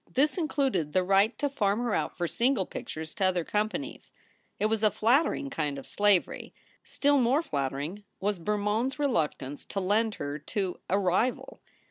This included the right to farm her out for single pictures to other companies. It was a flattering kind of slavery. Still more flattering was Bermond s reluctance to lend her to a rival.